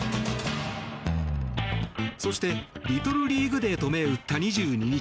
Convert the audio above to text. そして、リトルリーグデーと銘打った２２日。